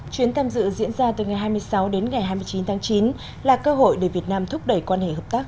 chuyến tham dự diễn ra từ ngày hai mươi sáu đến ngày hai mươi chín tháng chín là cơ hội để việt nam thúc đẩy quan hệ hợp tác